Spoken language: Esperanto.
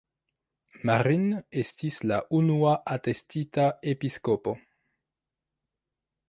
Marin estis la unua atestita episkopo.